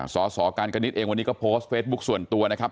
สสการกนิดเองวันนี้ก็โพสต์เฟซบุ๊คส่วนตัวนะครับ